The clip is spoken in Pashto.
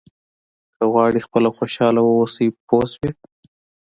که غواړئ خپله خوشاله واوسئ پوه شوې!.